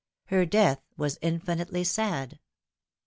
" Her death was infinitely sad."